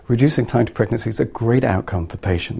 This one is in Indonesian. mengurangkan waktu kembar adalah hasil yang bagus untuk pasien